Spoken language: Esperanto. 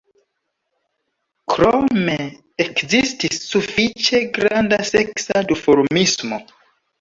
Krome ekzistis sufiĉe granda seksa duformismo.